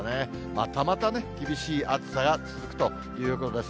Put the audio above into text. またまた厳しい暑さが続くということです。